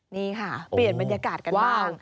นี่ค่ะเปลี่ยนบรรยากาศกันบ้าง